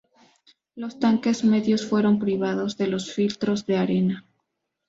Los tanques medios fueron privados de los filtros de arena.